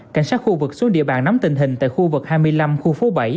cảnh sát khu vực xuống địa bàn nắm tình hình tại khu vực hai mươi năm khu phố bảy